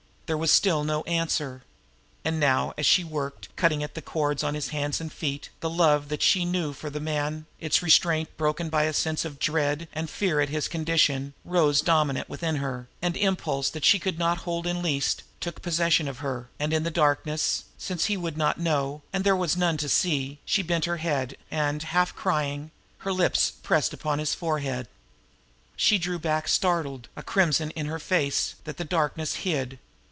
There was still no answer. And now, as she worked, cutting at the cords on his hands and feet, the love that she knew for the man, its restraint broken by the sense of dread and fear at his condition, rose dominant within her, and impulse that she could not hold in least took possession of her, and in the darkness, since he would not know, and there was none to see, she bent her head, and, half crying, her lips pressed upon his forehead. She drew back startled, a crimson in her face that the darkness hid.